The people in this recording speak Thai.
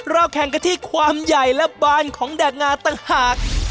แข่งกันที่ความใหญ่และบานของแดกงาต่างหาก